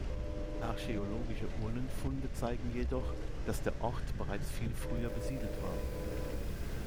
Archäologische Urnenfunde zeigen jedoch, dass der Ort bereits viel früher besiedelt war.